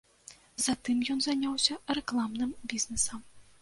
Затым ён заняўся рэкламным бізнесам.